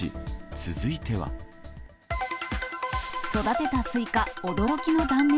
育てたスイカ、驚きの断面。